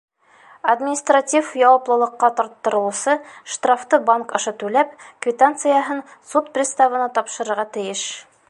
Административ яуаплылыҡҡа тарттырылыусы, штрафты банк аша түләп, квитанцияһын суд приставына тапшырырға тейеш.